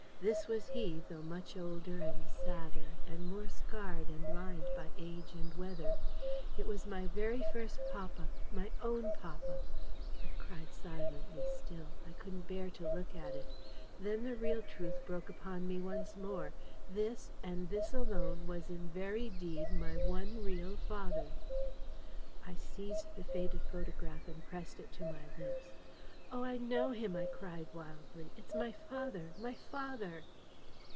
This was he, though much older and sadder, and more scarred and lined by age and weather. It was my very first papa. My own papa. I cried silently still. I couldn't bear to look at it. Then the real truth broke upon me once more. This, and this alone, was in very deed my one real father! I seized the faded photograph and pressed it to my lips. "Oh, I know him!" I cried wildly. "It's my father! My father!"